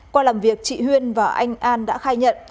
qua làm việc chị huyên và anh an đã khai nhận